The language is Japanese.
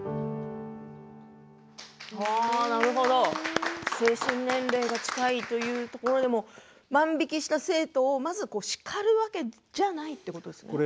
なるほど、精神年齢が近いというところでも万引きした生徒をまず叱るわけじゃないということですね。